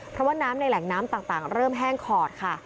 เพราะว่าน้ำในแหล่งน้ำต่างเริ่มแห้งขอดค่ะ